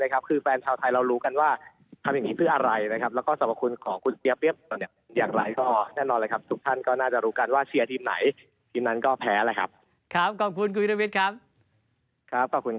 ก็ไม่รู้ว่าเกียร์เตี๋ยวโตมันเลย